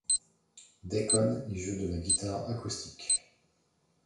Deacon y joue la guitare acoustique.